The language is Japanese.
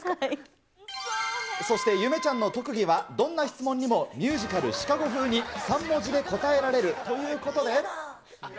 そしてゆめちゃんの特技は、どんな質問にもミュージカル、シカゴふうに３文字で答えられるということで。